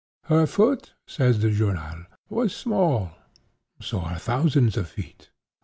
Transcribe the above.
"'Her foot,' says the journal, 'was small—so are thousands of feet.